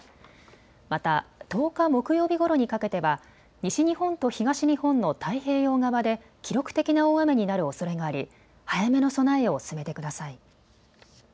また１０日木曜日ごろにかけては西日本と東日本の太平洋側で記録的な大雨になるおそれがあり早めの備えを進めてください。